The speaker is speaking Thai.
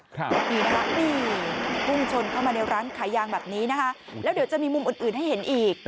นี่นะคะนี่พุ่งชนเข้ามาในร้านขายยางแบบนี้นะคะแล้วเดี๋ยวจะมีมุมอื่นให้เห็นอีก